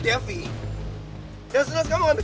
kau puas amir bobby